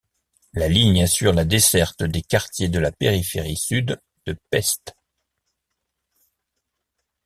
La ligne assure la desserte des quartiers de la périphérie sud de Pest.